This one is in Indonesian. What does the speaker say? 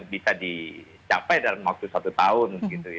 bisa dicapai dalam waktu satu tahun